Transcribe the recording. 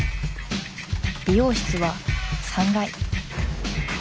美容室は３階。